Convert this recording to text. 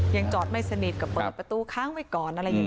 ยังจอดไม่สนิทกับเปิดประตูค้างไว้ก่อน